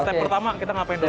step pertama kita ngapain